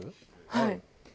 はい。